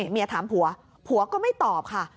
เมียถามผัวผัวก็ไม่ตอบค่ะ